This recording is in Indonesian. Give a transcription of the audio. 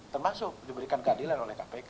termasuk diberikan keadilan oleh kpk